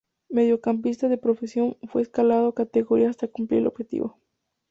Mediocampista de profesión, fue escalando categorías hasta cumplir el objetivo.